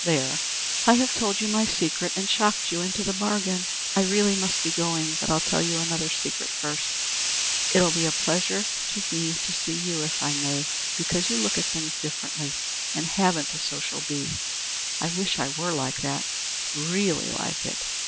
There! I have told you my secret and shocked you into the bargain. I really must be going. But I'll tell you another secret first: It'll be a pleasure to me to see you, if I may, because you look at things differently and haven't a social bee. I wish I were like that really like it.